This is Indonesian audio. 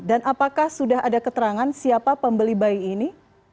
dan apakah sudah ada keterangan siapa pembeli bayi ini